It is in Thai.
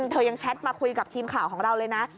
เธอยังแชทมาคุยกับทีมข่าวของเราเลยนะ